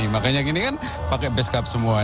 makanya gini kan pakai beskap semua